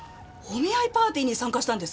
お見合いパーティーに参加したんですか？